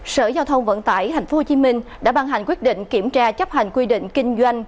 sở giao thông vận tải tp hcm đã ban hành quyết định kiểm tra chấp hành quy định kinh doanh